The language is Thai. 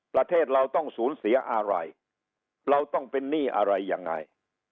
ประเทศเราต้องสูญเสียอะไรเราต้องเป็นหนี้อะไรยังไง